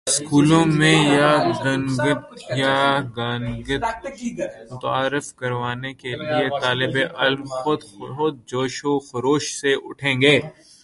سکولوں میں یگانگت متعارف کروانے کے لیے طالب علم خود جوش و خروش سے اٹھیں گے